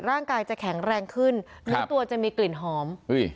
ร่างกายจะแข็งแรงขึ้นเนื้อตัวจะมีกลิ่นหอม